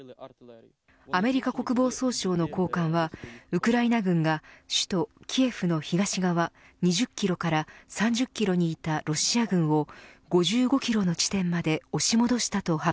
アメリカ国防総省の高官はウクライナ軍が首都キエフの東側２０キロから３０キロにいたロシア軍を